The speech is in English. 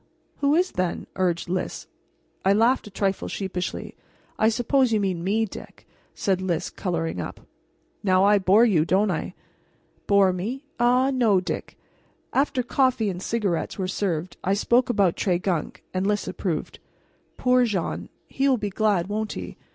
"Who is, then?" urged Lys. I laughed a trifle sheepishly. "I suppose you mean me, Dick," said Lys, coloring up. "Now I bore you, don't I?" "Bore me? Ah, no, Dick." After coffee and cigarettes were served I spoke about Tregunc, and Lys approved. "Poor Jean! He will be glad, won't he?